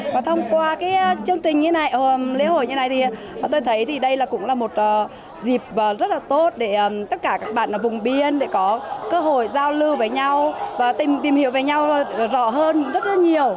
và thông qua chương trình lễ hội như thế này tôi thấy đây cũng là một dịp rất tốt để tất cả các bạn ở vùng biên có cơ hội giao lưu với nhau và tìm hiểu về nhau rõ hơn rất nhiều